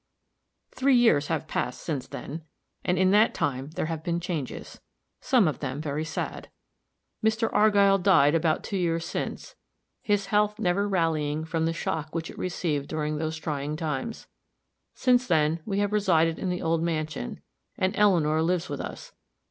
Three years have passed since then, and in that time there have been changes some of them very sad. Mr. Argyll died about two years since, his health never rallying from the shock which it received during those trying times. Since then, we have resided in the old mansion, and Eleanor lives with us.